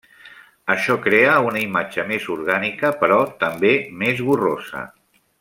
Això crea una imatge més orgànica, però també més borrosa.